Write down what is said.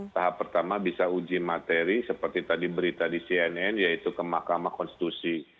tahap pertama bisa uji materi seperti tadi berita di cnn yaitu ke mahkamah konstitusi